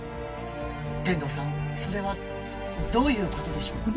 「天堂さんそれはどういう事でしょうか？」